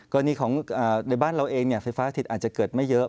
กรณีของในบ้านเราเองไฟฟ้าถิตอาจจะเกิดไม่เยอะ